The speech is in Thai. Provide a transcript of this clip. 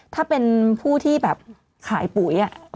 ถ้าเป็นผู้ที่แบบขายปุ๋ย